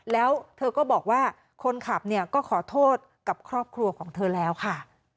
แล้วเธอก็บอกว่าคนขับเนี่ยก็ขอโทษกับครอบครัวของเธอแล้วค่ะ